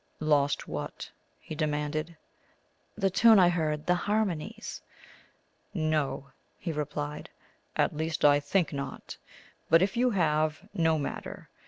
"Lost what?" he demanded. "The tune I heard the harmonies." "No," he replied; "at least I think not. But if you have, no matter.